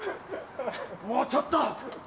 もうちょっと！